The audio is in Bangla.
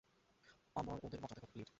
আমার ওদের বাঁচাতে হবে, লিড!